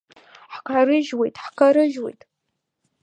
Ҳкарыжьуеит, ҳкарыжьуеит!